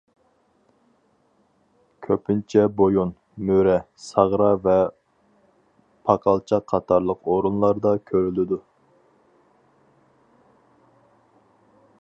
كۆپىنچە بويۇن، مۈرە، ساغرا ۋە پاقالچاق قاتارلىق ئورۇنلاردا كۆرۈلىدۇ.